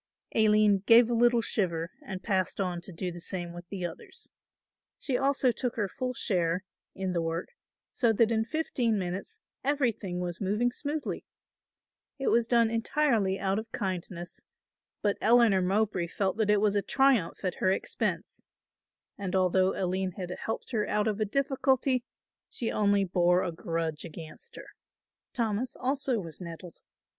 Aline gave a little shiver and passed on to do the same with the others. She also took her full share in the work, so that in fifteen minutes everything was moving smoothly. It was done entirely out of kindness, but Eleanor Mowbray felt that it was a triumph at her expense and although Aline had helped her out of a difficulty, she only bore a grudge against her. Thomas also was nettled.